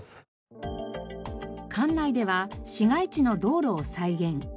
館内では市街地の道路を再現。